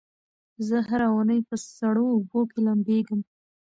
زه هره اونۍ په سړو اوبو کې لمبېږم.